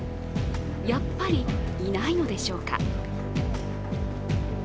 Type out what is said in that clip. やっぱりいないのでしょうか。